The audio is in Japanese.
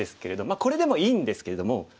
これでもいいんですけれども。